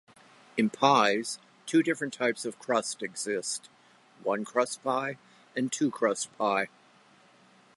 In pies, two different types of crust exist: one-crust pie and two-crust pie.